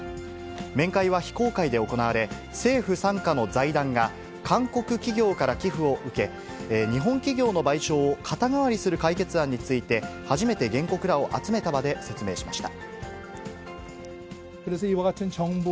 面会は非公開で行われ、政府傘下の財団が韓国企業から寄付を受け、日本企業の賠償を肩代わりする解決案について、初めて原告らを集めた場で説明しました。